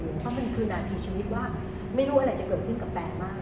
เพราะมันคือนาทีชีวิตว่าไม่รู้อะไรจะเกิดขึ้นกับแฟนบ้าง